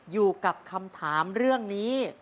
อยู่กับคำถามเรื่องนี้